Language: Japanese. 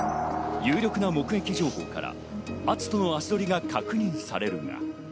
有力な目撃情報から篤斗の足取りが確認されるが。